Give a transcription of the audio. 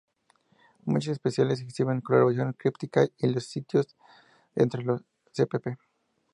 Muchas especies exhiben coloración críptica, y los mismos sitios entre las spp.